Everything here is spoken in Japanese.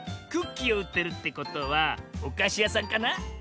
クッキーをうってるってことはおかしやさんかな？